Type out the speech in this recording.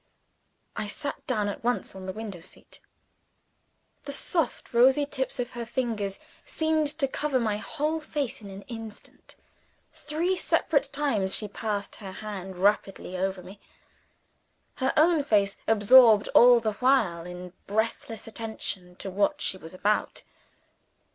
I sat down at once on the window seat. The soft rosy tips of her fingers seemed to cover my whole face in an instant. Three separate times she passed her hand rapidly over me; her own face absorbed all the while in breathless attention to what she was about.